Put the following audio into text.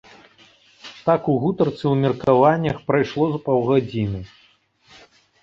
Так у гутарцы, у меркаваннях прайшло з паўгадзіны.